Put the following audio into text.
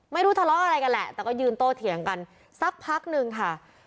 ไม่รู้ทะเลาะอะไรกันแหละแต่ก็ยืนโต้เถียงกันสักพักนึงค่ะ